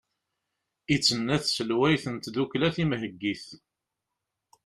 i d-tenna tselwayt n tddukkla timheggit